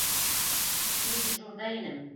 Мин дежурҙа инем...